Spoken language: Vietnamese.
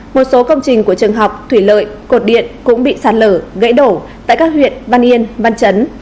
một số công trình của trường học thủy lợi cột điện cũng bị sạt lở gãy đổ tại các huyện văn yên văn chấn